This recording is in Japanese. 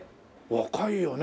若いよね。